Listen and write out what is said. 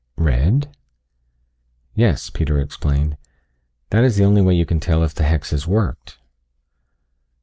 "Red?" "Yes," Peter explained, "That is the only way you can tell if the hex has worked."